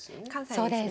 そうです。